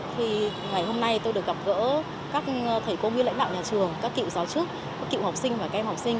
thì ngày hôm nay tôi được gặp gỡ các thầy cô nguyên lãnh đạo nhà trường các cựu giáo trước các cựu học sinh và các em học sinh